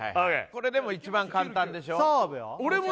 これでも一番簡単でしょ澤部は？